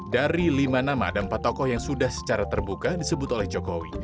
dari lima nama dan empat tokoh yang sudah secara terbuka disebut oleh jokowi